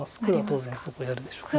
当然そこやるでしょう。